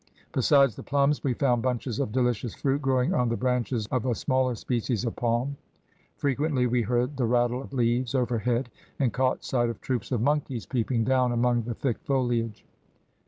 Besides the plums we found bunches of delicious fruit growing on the branches of a smaller species of palm. Frequently we heard the rattle of leaves overhead and caught sight of troops of monkeys peeping down among the thick foliage.